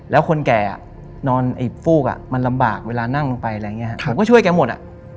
แล้วคนแก่นอนไอ้ฟูกมันลำบากเวลานั่งลงไปอะไรอย่างนี้ผมก็ช่วยแกหมดอ่ะ